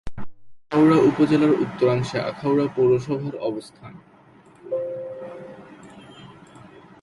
আখাউড়া উপজেলার উত্তরাংশে আখাউড়া পৌরসভার অবস্থান।